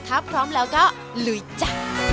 ถ้าพร้อมแล้วก็ลุยจ้า